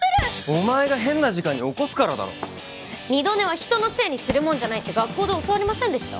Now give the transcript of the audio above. お前が変な時間に起こすからだろ二度寝は人のせいにするもんじゃないって学校で教わりませんでした？